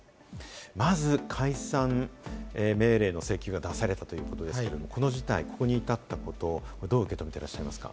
まず解散命令の請求が出されたということですが、ここに至ったことをどう受け止めていらっしゃいますか？